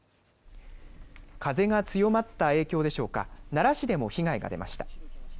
風が強まった影響でしょうか、奈良市でも被害が出ました。